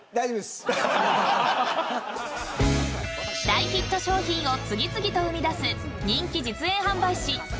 ［大ヒット商品を次々と生み出す人気］